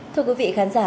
thưa quý vị khán giả